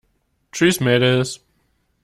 Tschüss, Mädels!